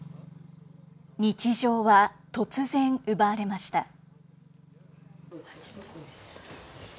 日常は突然、奪われました。